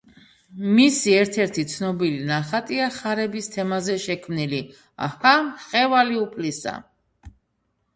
მისი ერთ-ერთი ცნობილი ნახატია ხარების თემაზე შექმნილი „აჰა, მხევალი უფლისა“